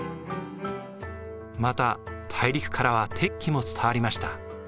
また大陸からは鉄器も伝わりました。